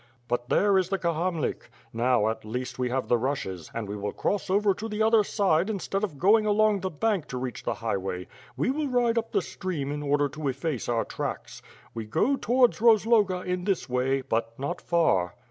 But there is the Kahamlik. Now, at least, we have the rushes, and we will cross over to the other side in stead of going along the bank to reach the highway; we will ride up the stream in order to efface our tracks. We go to wards Kozloga in this way, but not far.